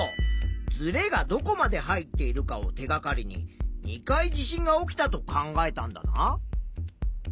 ずれがどこまで入っているかを手がかりに２回地震が起きたと考えたんだな。